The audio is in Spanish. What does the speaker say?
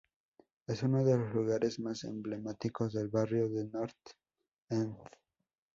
Es uno de los lugares más emblemáticos del barrio de North End.